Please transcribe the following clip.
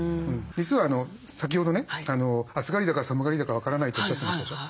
実は先ほどね暑がりだか寒がりだか分からないっておっしゃってましたでしょ。